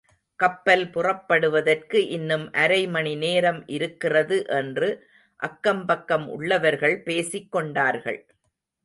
கப்பல் புறப்படுவதற்கு இன்னும் அரை மணி நேரம் இருக்கிறது என்று அக்கம் பக்கம் உள்ளவர்கள் பேசிக் கொண்டார்கள்.